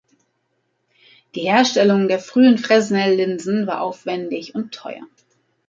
Die Herstellung der frühen Fresnel-Linsen war aufwändig und teuer.